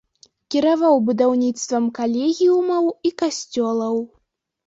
Кіраваў будаўніцтвам калегіумаў і касцёлаў.